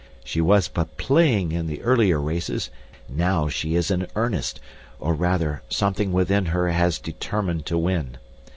She was but playing in the earlier races, NOW she is in earnest, or rather, something within her has determined to win.